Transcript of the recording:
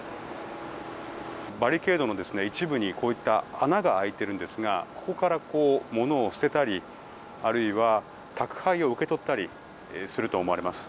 バリケードの一部に穴が開いているんですがここから物を捨てたりあるいは宅配を受け取ったりすると思われます。